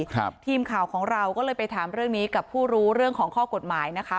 ทีมข่าวของเราก็เลยไปถามเรื่องนี้กับผู้รู้เรื่องของข้อกฎหมายนะคะ